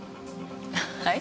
はい？